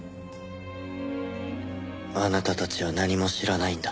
あなたたちは何も知らないんだ。